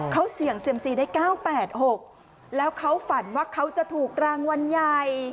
เขาเสี่ยงเซียมซีได้๙๘๖แล้วเขาฝันว่าเขาจะถูกรางวัลใหญ่